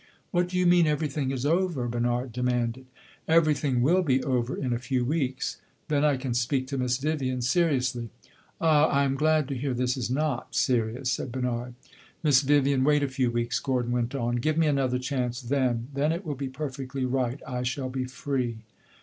"What do you mean, everything is over?" Bernard demanded. "Everything will be over in a few weeks. Then I can speak to Miss Vivian seriously." "Ah! I am glad to hear this is not serious," said Bernard. "Miss Vivian, wait a few weeks," Gordon went on. "Give me another chance then. Then it will be perfectly right; I shall be free."